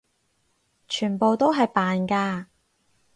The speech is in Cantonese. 全部都係扮㗎！